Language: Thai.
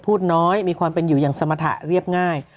พูดน้อยมีความเป็นอยู่อย่างสมรรถะเรียบง่าย